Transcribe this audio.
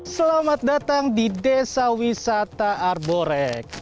selamat datang di desa wisata arborek